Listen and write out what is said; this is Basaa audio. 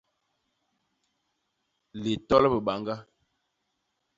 Litol bibañga.